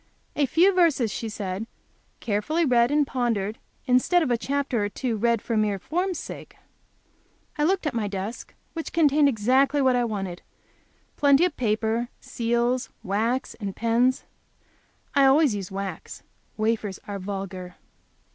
"A few verses," she said, "carefully read and pondered, instead of a chapter or two read for mere form's sake." I looked at my desk, which contained exactly what I wanted, plenty of paper, seals, wax and pens. I always use wax. Wafers are vulgar.